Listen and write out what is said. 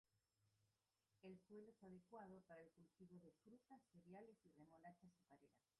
Su suelo es adecuado para el cultivo de frutas, cereales y remolacha azucarera.